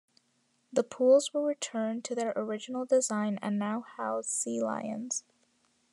The pools were returned to their original design and now house sea lions.